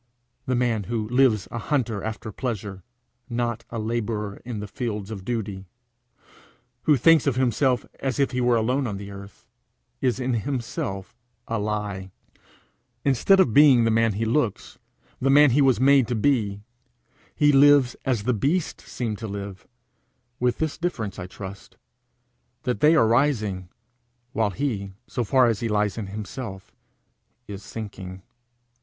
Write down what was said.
The man who lives a hunter after pleasure, not a labourer in the fields of duty, who thinks of himself as if he were alone on the earth, is in himself a lie. Instead of being the man he looks, the man he was made to be, he lives as the beasts seem to live with this difference, I trust, that they are rising, while he, so far as lies in himself, is sinking.